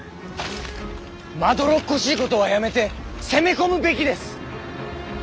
まどろっこしいことはやめて攻め込むべきです！